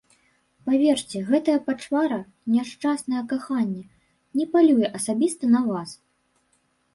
Паверце, гэтая пачвара, няшчаснае каханне, не палюе асабіста на вас!